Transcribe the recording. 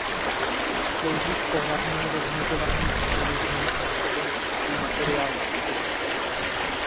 Slouží k pohlavnímu rozmnožování organismů a nese genetický materiál matky.